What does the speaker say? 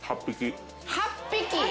８匹！